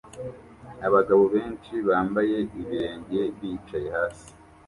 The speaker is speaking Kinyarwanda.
Abagabo benshi bambaye ibirenge bicaye hasi